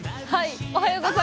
はい。